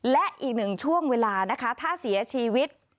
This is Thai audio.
และอีกหนึ่งช่วงเวลานะคะถ้าเสียชีวิต